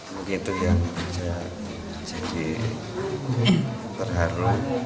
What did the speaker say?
mungkin itu yang saya jadi terharu